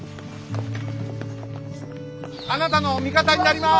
あなたの味方になります。